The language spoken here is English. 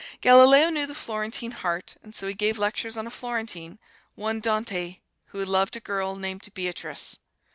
Galileo knew the Florentine heart, and so he gave lectures on a Florentine: one Dante, who loved a girl named Beatrice.